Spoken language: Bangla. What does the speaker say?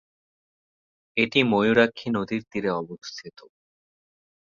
এটি ময়ূরাক্ষী নদীর তীরে অবস্থিত।